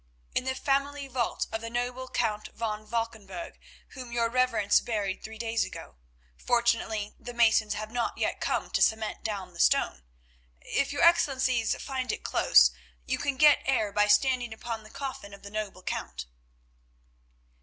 "In the family vault of the noble Count van Valkenburg, whom your reverence buried three days ago. Fortunately the masons have not yet come to cement down the stone. If your Excellencies find it close, you can get air by standing upon the coffin of the noble Count."